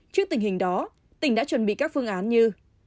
trước tình hình đó tỉnh đã chuẩn bị các phương án như